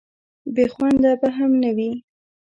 بې خونده به هم نه وي.